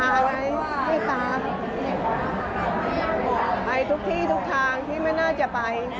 ไปทุกที่ทุกทางที่ไม่น่าจะไป